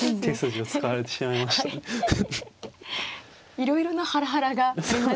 いろいろなハラハラがありましたね。